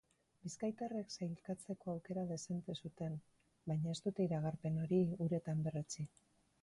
Bizkaitarrek sailkatzeko aukera dezente zuten, baina ez dute iragarpen hori uretan berretsi.